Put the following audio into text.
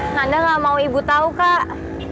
nanda nggak mau ibu tahu kak